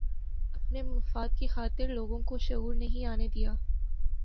اپنے مفاد کی خاطرلوگوں کو شعور نہیں آنے دیا